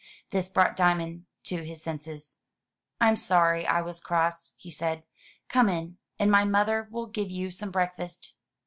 This brought Diamond to his senses. "I'm sorry I was cross," he said. "Come in, and my mother will give you some breakfast."